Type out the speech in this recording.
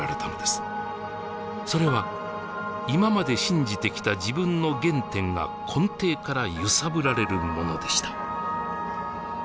それは今まで信じてきた自分の原点が根底から揺さぶられるものでした。